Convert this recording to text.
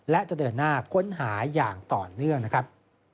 และจะเดินหน้าค้นหาอย่างต่อเนื่องนะครับ